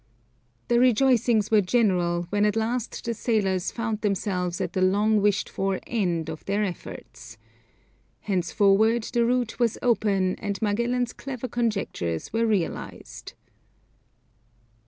The rejoicings were general when at last the sailors found themselves at the long wished for end of their efforts. Henceforward the route was open and Magellan's clever conjectures were realized.